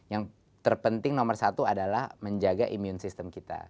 yang terpenting nomor satu adalah menjaga imun sistem kita